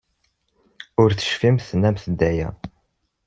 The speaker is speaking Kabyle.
Ur tecfimt tennamt-d aya.